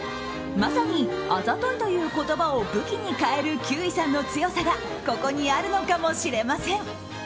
まさに、あざといという言葉を武器に変える休井さんの強さがここにあるのかもしれません。